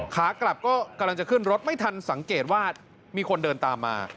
ขากลับก็กำลังจะขึ้นรถไม่ทันสังเกตว่ามีคนเดินตามมา